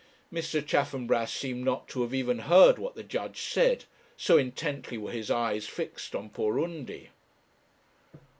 Mr. Chaffanbrass seemed not to have even heard what the judge said, so intently were his eyes fixed on poor Undy.